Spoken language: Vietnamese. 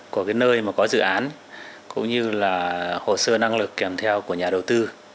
của nơi có dự án cũng như hồ sơ năng lực kèm theo của nhà đầu tư